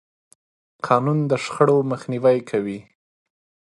قانون د شخړو مخنیوی کوي.